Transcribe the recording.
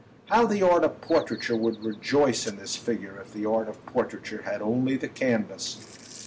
How the art of portraiture would rejoice in this figure if the art of portraiture had only the canvas!